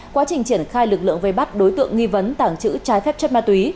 quá trình triển khai lực lượng vây bắt đối tượng nghi vấn tàng trữ trái phép chất ma túy